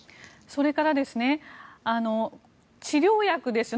それから、治療薬ですね。